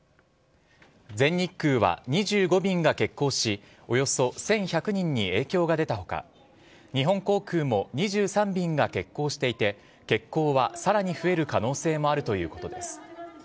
全日空は２５便が欠航し、およそ１１００人に影響が出たほか、日本航空も２３便が欠航していて、欠航はさらに増える可能性もあるということです。